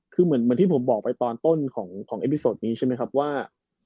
คือเหมือนที่ผมบอกไปตอนต้นของเอมิโซดนี้ใช่ไหมครับว่า